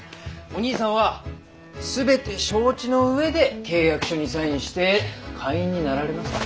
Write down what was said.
お兄さんは全て承知の上で契約書にサインして会員になられました。